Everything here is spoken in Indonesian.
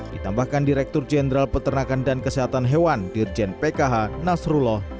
ditambahkan direktur jenderal peternakan dan kesehatan hewan dirjen pkh nasrullah